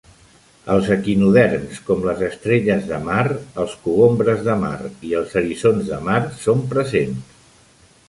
Els equinoderms com les estrelles de mar, els cogombres de mar i els eriçons de mar són presents.